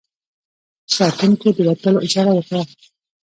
ساتونکو د وتلو اشاره وکړه.